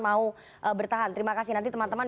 mau bertahan terima kasih nanti teman teman